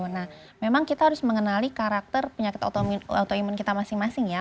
nah memang kita harus mengenali karakter penyakit autoimun kita masing masing ya